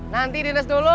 nanti di nes dulu